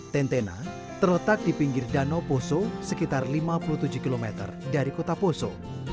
tentena terletak di pinggir danau poso sekitar lima puluh tujuh km dari kota poso